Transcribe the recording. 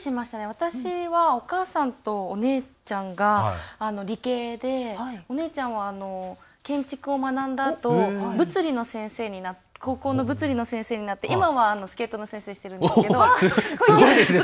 私はお母さんとお姉ちゃんが理系でお姉ちゃんは建築を学んだあと高校の物理の先生になって今は、スケートの先生をしているんですけど。